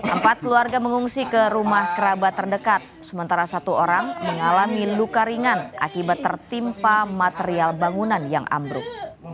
empat keluarga mengungsi ke rumah kerabat terdekat sementara satu orang mengalami luka ringan akibat tertimpa material bangunan yang ambruk